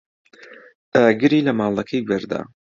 ئاگری لە ماڵەکەی بەردا.